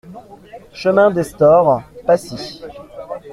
Chemin des Storts, Passy